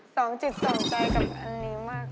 สองจิตสองใจกับอันนี้มาก